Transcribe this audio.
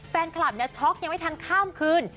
แฟนคลับเนี่ยช็อกยังไม่ทันข้ามคืน